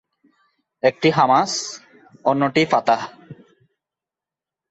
একটি হামাস, অন্যটি ফাতাহ।